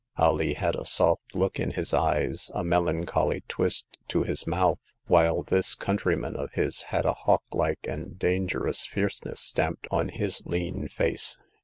Alee had a soft look in his eyes, a melancholy twist to his mouth ; while this countryman of his had a hawk like and dan gerous fierceness stamped on his lean face.